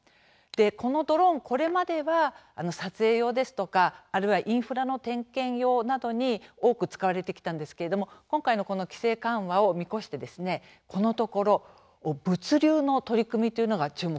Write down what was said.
このドローンこれまでは撮影用ですとかあるいはインフラの点検用などに多く使われてきたんですけれども今回の、この規制緩和を見越してですね、このところ物流の取り組みというのが注目されているんですね。